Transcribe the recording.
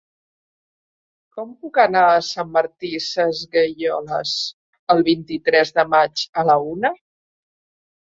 Com puc anar a Sant Martí Sesgueioles el vint-i-tres de maig a la una?